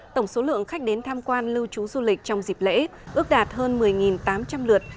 tổng số lượng khách đến tham quan lưu trú du lịch trong dịp lễ ước đạt hơn một mươi tám trăm linh lượt